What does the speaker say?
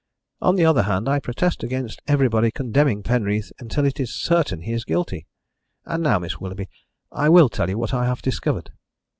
"On the other hand, I protest against everybody condemning Penreath until it is certain he is guilty. And now, Miss Willoughby, I will tell you what I have discovered."